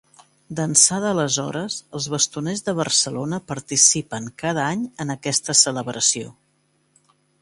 D'ençà d'aleshores, els Bastoners de Barcelona participen cada any en aquesta celebració.